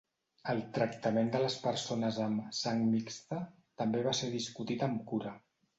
El tractament de les persones amb 'sang mixta' també va ser discutit amb cura.